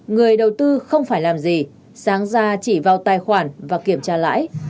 người đầu tư không phải làm gì sáng ra chỉ vào tài khoản và kiểm tra lãi